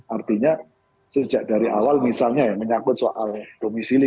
artinya sejak dari awal misalnya yang menyangkut soal domisili